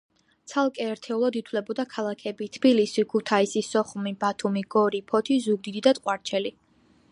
ცალკე ერთეულად ითვლებოდა ქალაქები: თბილისი, ქუთაისი, სოხუმი, ბათუმი, გორი, ფოთი, ზუგდიდი და ტყვარჩელი.